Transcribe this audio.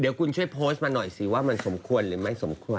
เดี๋ยวคุณช่วยโพสต์มาหน่อยสิว่ามันสมควรหรือไม่สมควร